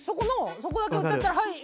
そこだけ歌ったらはい！